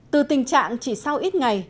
từ tình trạng chỉ sau ít ngày